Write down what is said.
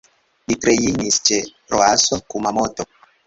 Li trejnis ĉe Roasso Kumamoto.